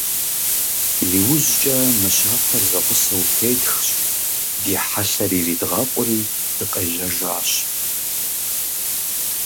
ИужькӀэ мыщафэр зэгъусэу тетхщ, ди хьэлъэр иридгъэкъури дыкъежьэжащ.